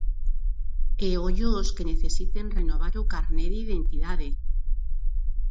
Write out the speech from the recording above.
E ollo os que necesiten renovar o carné de identidade.